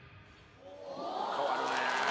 変わるね。